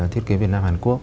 thiết kế việt nam hàn quốc